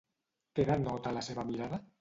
Què denota la seva mirada?